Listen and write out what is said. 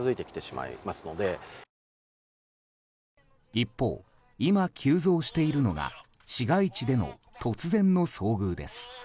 一方、今急増しているのが市街地での突然の遭遇です。